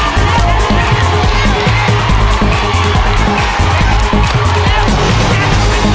ไม่ออกไปลูก